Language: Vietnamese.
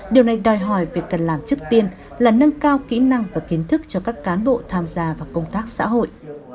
điều này đòi hỏi việc cần làm trước tiên là nâng cao kỹ năng và kiến thức cho các cán bộ tham gia vào công tác xã hội